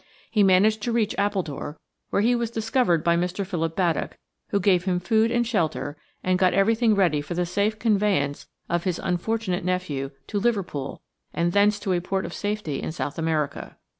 He managed to reach Appledore, where he was discovered by Mr. Philip Baddock, who gave him food and shelter and got everything ready for the safe conveyance of his unfortunate nephew to Liverpool and thence to a port of safety in South America.